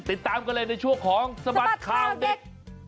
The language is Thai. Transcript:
ติดตามกันเลยในช่วงของสบัดข่าวเด็ก